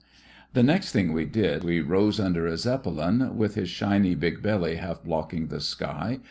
The next thing ive did, we rose under a Zeppelin, With his shiny big belly half blocking the sky.